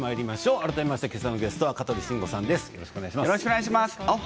改めましてきょうのゲストは香取慎吾さんです。